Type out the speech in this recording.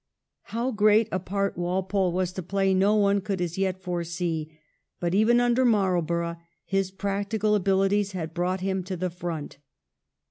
' How great a part Walpole was to play no one could as yet foresee. But even under Marlborough his practical abilities had brought him to the front.